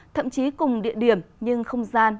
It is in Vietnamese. thậm chí cùng địa điểm nhưng không gian